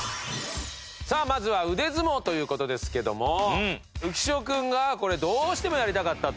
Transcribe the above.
さあまずは腕相撲という事ですけども浮所君がこれどうしてもやりたかったと。